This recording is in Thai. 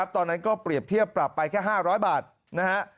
ตอนนั้นก็เปรียบเทียบปรับไปแค่๕๐๐บาทนะฮะ